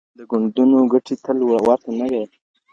د ګوندونو ګټي تل ورته نه وي.